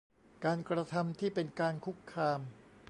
การกระทำที่เป็นการคุกคาม